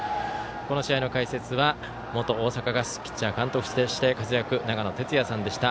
この試合の解説は元大阪ガスピッチャー、監督として活躍、長野哲也さんでした。